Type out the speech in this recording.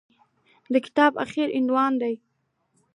د کتاب اخري عنوان دى.